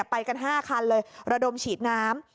ไปกัน๕คันเลยระดมฉีดน้ำ